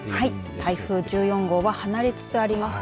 台風１４号は離れつつあります。